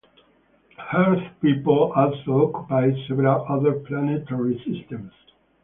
Earth people also occupy several other planetary systems.